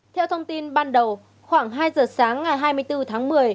theo thông tin ban đầu khoảng hai giờ sáng ngày hai mươi bốn tháng một mươi